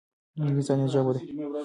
مینه د انسانیت ژبه ده.